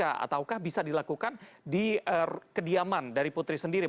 ataukah bisa dilakukan di kediaman dari putri sendiri